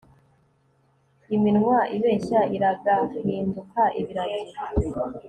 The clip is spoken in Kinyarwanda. iminwa ibeshya iragahinduka ibiragi